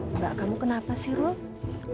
mbak kamu kenapa sih ruk